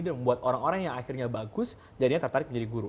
dan membuat orang orang yang akhirnya bagus jadinya tertarik menjadi guru